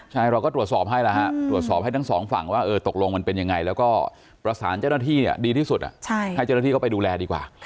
ใช่เราก็ตรวจสอบให้แล้วฮะตรวจสอบให้ทั้งสองฝั่งว่าตกลงมันเป็นยังไงแล้วก็ประสานเจ้าหน้าที่ดีที่สุดให้เจ้าหน้าที่เข้าไปดูแลดีกว่า